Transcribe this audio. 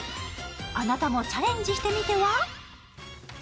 あなたもチャレンジしてみては。